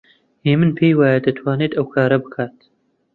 هێمن پێی وایە دەتوانێت ئەو کارە بکات.